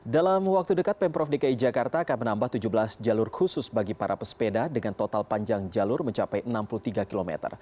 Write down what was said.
dalam waktu dekat pemprov dki jakarta akan menambah tujuh belas jalur khusus bagi para pesepeda dengan total panjang jalur mencapai enam puluh tiga km